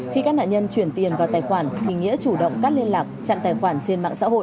khi các nạn nhân chuyển tiền vào tài khoản mình nghĩa chủ động cắt liên lạc chặn tài khoản trên mạng xã hội